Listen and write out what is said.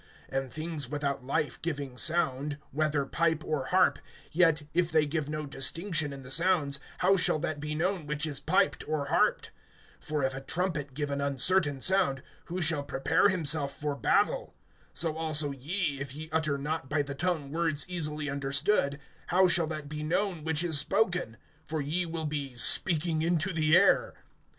(7)And things without life giving sound, whether pipe or harp, yet if they give no distinction in the sounds, how shall that be known which is piped or harped? (8)For if a trumpet give an uncertain sound, who shall prepare himself for battle? (9)So also ye, if ye utter not by the tongue words easily understood, how shall that be known which is spoken? For ye will be speaking into the air.